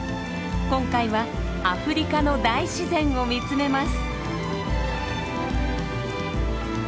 今回はアフリカの大自然を見つめます。